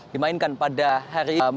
dimainkan pada hari ini